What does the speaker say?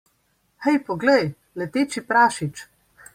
Hej, poglej, leteči prašič!